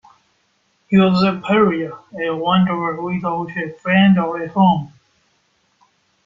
He was a pariah; a wanderer without a friend or a home.